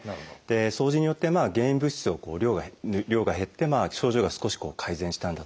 掃除によって原因物質の量が減って症状が少し改善したんだと思います。